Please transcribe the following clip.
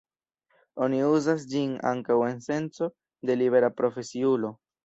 Oni uzas ĝin ankaŭ en senco de libera profesiulo.